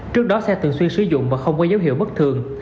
trước đó xe thường xuyên sử dụng và không có dấu hiệu bất thường